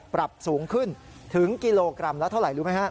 ปรับสูงขึ้นถึงกิโลกรัมละเท่าไหร่รู้ไหมฮะ